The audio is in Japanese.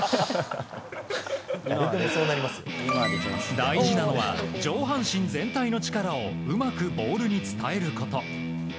大事なのは、上半身全体の力をうまくボールに伝えること。